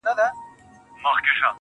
ستا تر ځوانۍ بلا گردان سمه زه.